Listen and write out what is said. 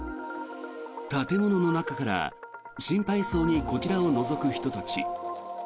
建物の中から心配そうにこちらをのぞく人たち。